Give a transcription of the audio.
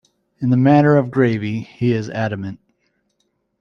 In the matter of gravy he is adamant.